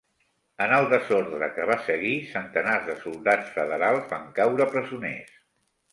En el desordre que va seguir, centenars de soldats federals van caure presoners.